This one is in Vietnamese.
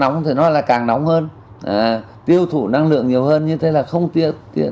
đồng thời tăng tiêu thủ nhiên liệu